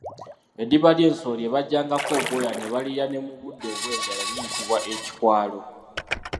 Eddiba ly'ensolo lye bajjangako obwoya ne balirya ne mu budde obw'enjala liyitibwa Ekikwalo.